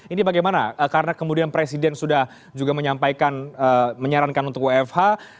ini bagaimana karena kemudian presiden sudah juga menyampaikan menyarankan untuk wfh